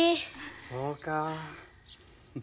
そうか。